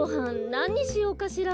なににしようかしら。